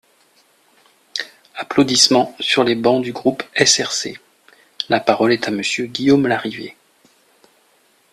(Applaudissements sur les bancs du groupe SRC.) La parole est à Monsieur Guillaume Larrivé.